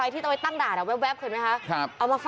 ตเว้ยตั้งด้านแว๊บเขินไม่ครับ